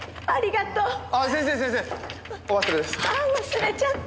ああ忘れちゃった！